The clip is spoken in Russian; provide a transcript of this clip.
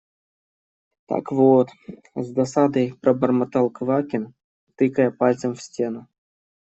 – Так вот… – с досадой пробормотал Квакин, тыкая пальцем в стену.